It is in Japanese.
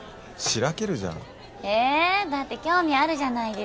だって興味あるじゃないですか。